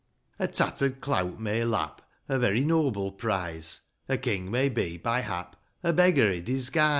v. A tattered clout may lap A very noble prize ; A king may be, by hap, A beggar i' disguise.